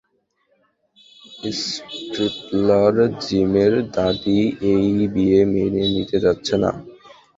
Stifler, জিমের দাদি এই বিয়ে মেনে নিতে চাচ্ছে না।